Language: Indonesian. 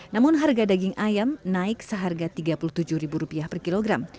namun harga daging ayam naik seharga rp tiga puluh tujuh per kilogram